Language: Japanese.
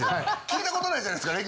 聞いたことないじゃないですか。